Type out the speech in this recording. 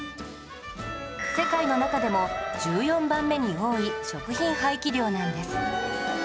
世界の中でも１４番目に多い食品廃棄量なんです